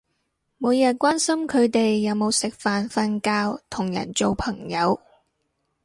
每日關心佢哋有冇食飯瞓覺同人做朋友